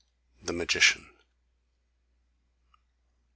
THE MAGICIAN. 1.